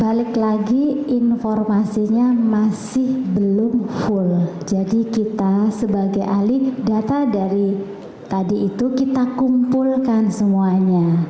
balik lagi informasinya masih belum full jadi kita sebagai ahli data dari tadi itu kita kumpulkan semuanya